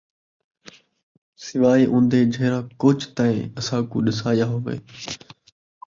سوائے اُون٘دے جِہڑا کُجھ تَیں اَساکوں ݙَسایا ہوئے